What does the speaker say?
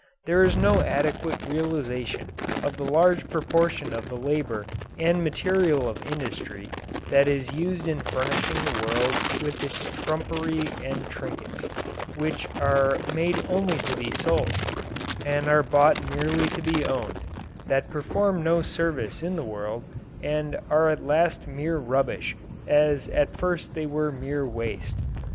There is no adequate realization of the large proportion of the labour and material of industry that is used in furnishing the world with its trumpery and trinkets, which are made only to be sold, and are bought merely to be owned that perform no service in the world and are at last mere rubbish as at first they were mere waste.